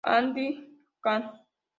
And., Can.